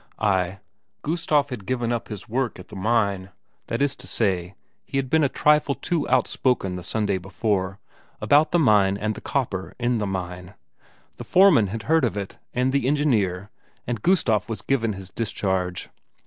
Ay, Gustaf had given up his work at the mine that is to say, he had been a trifle too outspoken the Sunday before, about the mine and the copper in the mine; the foreman had heard of it, and the engineer, and Gustaf was given his discharge.